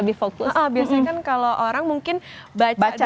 iya biasa kan kalau orang mungkin baca dulu